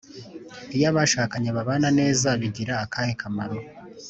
Iyo abashakanye babana neza bigira akahe kamaro